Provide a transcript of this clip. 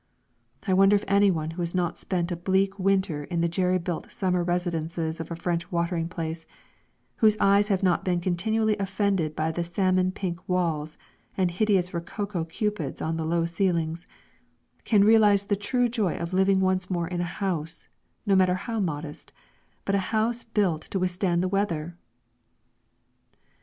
I wonder if anyone who has not spent a bleak winter in the jerry built summer residences of a French watering place, whose eyes have not been continually offended by the salmon pink walls and hideous rococo cupids on low ceilings, can realise the true joy of living once more in a house, no matter how modest, but a house built to withstand the weather?